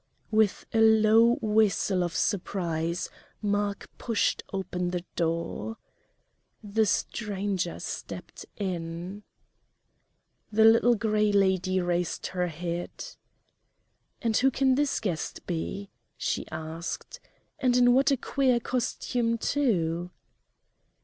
With a low whistle of surprise Mark pushed open the door. The stranger stepped in. The Little Gray Lady raised her head. "And who can this new guest be?" she asked "and in what a queer costume, too!"